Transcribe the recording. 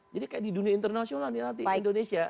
jadi kayak di dunia internasional nih nanti indonesia